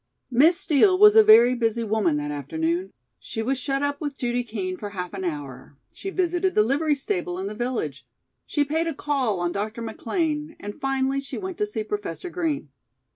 Miss Steel was a very busy woman that afternoon. She was shut up with Judy Kean for half an hour; she visited the livery stable in the village, she paid a call on Dr. McLean and finally she went to see Professor Green.